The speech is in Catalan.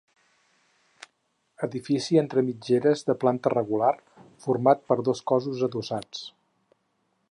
Edifici entre mitgeres de planta rectangular, format per dos cossos adossats.